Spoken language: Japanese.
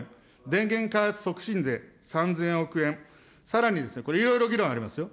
電源開発促進税３０００億円、さらに、これいろいろ議論ありますよ。